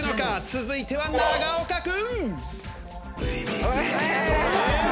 続いては永岡君！